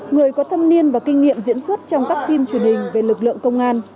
người có thâm niên và kinh nghiệm diễn xuất trong các phim truyền hình về lực lượng công an